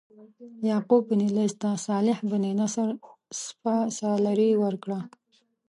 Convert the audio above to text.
یعقوب بن لیث ته صالح بن نصر سپه سالاري ورکړه.